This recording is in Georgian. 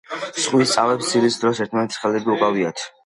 ზღვის წავებს ძილის დროს ერთმანეთის ხელები უკავიათ